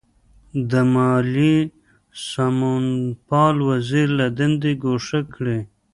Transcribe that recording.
د مالیې سمونپال وزیر له دندې ګوښه کړي.